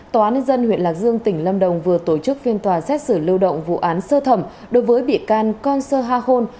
tòa án nhân dân huyện lạc dương tỉnh lâm đồng vừa tổ chức phiên tòa xét xử lưu động vụ án sơ thẩm đối với bị can con sơ ha hôn